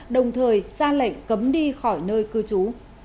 đồng thời ra lệnh cấm đi khỏi nơi cư trú